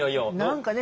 何かね